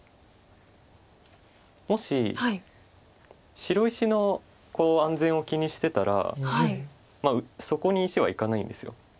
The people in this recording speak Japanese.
もし白石の安全を気にしてたらそこに石はいかないんです。